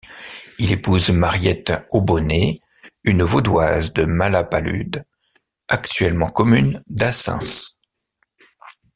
Il épouse Mariette Aubonney, une Vaudoise de Malapalud, actuellement commune d'Assens.